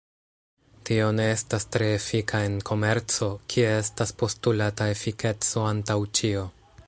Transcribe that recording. Tio ne estas tre efika en komerco, kie estas postulata efikeco antaŭ ĉio.